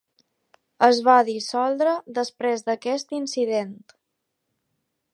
Es va dissoldre després d'aquest incident.